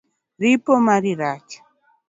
Ripo mari rach